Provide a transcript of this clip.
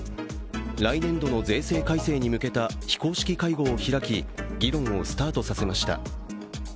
来年度の税制改正に向けた非公式会合を開き議論をスタートさせました。